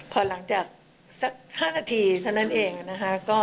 พอหลังจากสัก๕นาทีเท่านั้นเองนะคะ